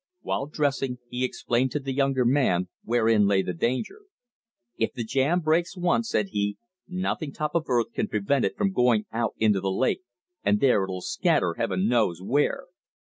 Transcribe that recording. While dressing, he explained to the younger man wherein lay the danger. "If the jam breaks once," said he, "nothing top of earth can prevent it from going out into the Lake, and there it'll scatter, Heaven knows where.